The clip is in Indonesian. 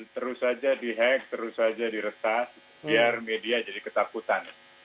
terus aja dihack terus aja di retas biar media jadi ketakutan